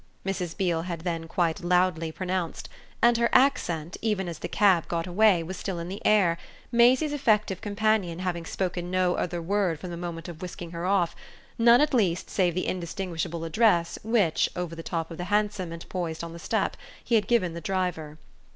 Mrs. Beale had then quite loudly pronounced; and her accent, even as the cab got away, was still in the air, Maisie's effective companion having spoken no other word from the moment of whisking her off none at least save the indistinguishable address which, over the top of the hansom and poised on the step, he had given the driver.